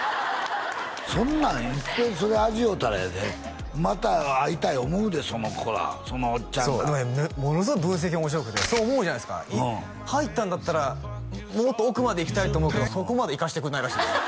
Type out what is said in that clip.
そんなん一遍それ味おうたらやでまた会いたい思うでその子らそのおっちゃんらものすごく分析面白くてそう思うじゃないですか入ったんだったらもっと奥まで行きたいと思うけどそこまで行かせてくれないらしいです